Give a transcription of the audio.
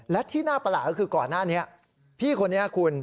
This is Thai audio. และที่น่าประหลาดก็คือก่อนหน้านี้พี่คนนี้คุณ